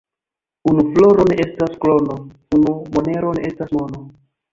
Unu floro ne estas krono, unu monero ne estas mono.